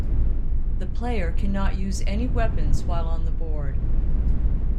The player cannot use any weapons while on the board.